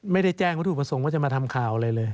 ไม่ได้แจ้งวัตถุประสงค์ว่าจะมาทำข่าวอะไรเลย